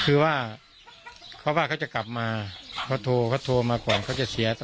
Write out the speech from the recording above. คือว่าเขาบอกเขาก็จะกลับมาก็โทรมาก่อนค่อยจะเสียสองวัน